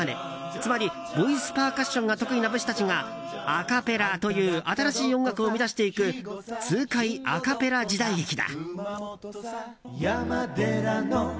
つまりボイスパーカッションが得意な武士たちがアカペラという新しい音楽を生み出していく痛快アカペラ時代劇だ。